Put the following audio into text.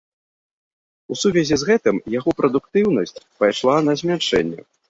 У сувязі з гэтым яго прадуктыўнасць пайшла на змяншэнне.